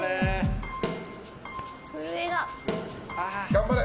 頑張れ！